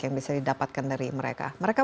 yang bisa didapatkan dari mereka mereka